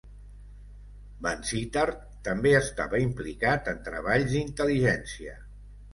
Vansittart també estava implicat en treballs d'intel·ligència.